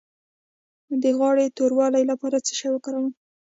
د غاړې د توروالي لپاره څه شی وکاروم؟